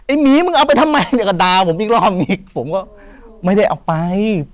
หมีมึงเอาไปทำไมเนี่ยก็ด่าผมอีกรอบนี้ผมก็ไม่ได้เอาไป